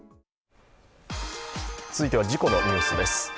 続いては事故のニュースです。